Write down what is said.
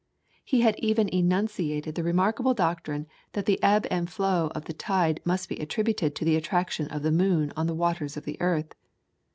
He had even enunciated the remarkable doctrine that the ebb and flow of the tide must be attributed to the attraction of the moon on the waters of the earth.